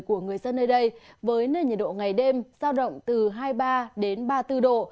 của người dân nơi đây với nền nhiệt độ ngày đêm giao động từ hai mươi ba đến ba mươi bốn độ